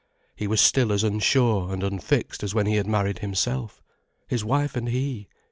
He was still as unsure and unfixed as when he had married himself. His wife and he!